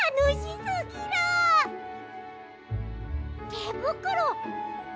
てぶくろ！